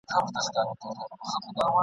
ته چي صبر کوې ټوله مجبوري ده ..